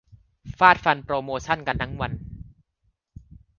ฟาดฟันโปรโมชั่นกันทั้งวัน